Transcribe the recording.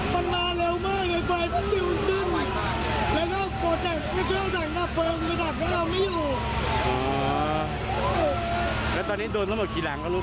มีความรู้สึกว่าเกิดอะไรขึ้นมีความรู้สึกว่าเกิดอะไรขึ้น